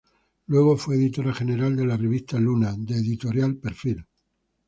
Luego fue editora general de la revista "Luna", de Editorial Perfil.